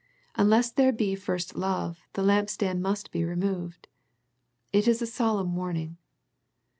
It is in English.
Unless there be first love the lampstand must be removed. It is a solemn warning.